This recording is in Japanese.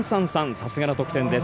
さすがの得点です。